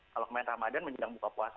kalau kemarin ramadhan menjelang buka puasa